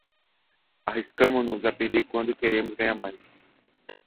Arriscamo-nos a perder quando queremos ganhar demais.